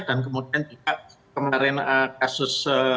dan kemudian juga kemarin kasus